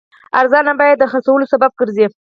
ارزانه بیه د خرڅلاو سبب ګرځي.